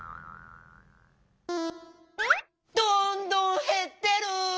どんどんへってる！